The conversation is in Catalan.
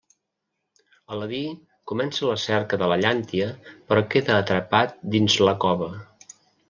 Aladí comença la cerca de la llàntia però queda atrapat dins la cova.